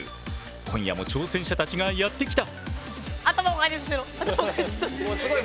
今夜も挑戦者たちがやって来た！